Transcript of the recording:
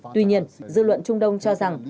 tuy nhiên dư luận trung đông cho rằng